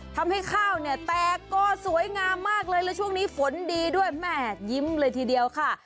ทำให้ข้าวเนี่ยแตกก็สวยงามมากเลยแล้วช่วงนี้ฝนดีด้วยแม่ยิ้มเลยทีเดียวค่ะ